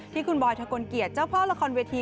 ที่คุณบอยทะกลเกียจเจ้าพ่อละครเวที